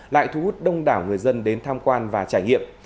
lại thu hút đông đảo người dân đến tham quan và trải nghiệm